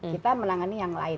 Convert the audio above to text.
kita menangani yang lain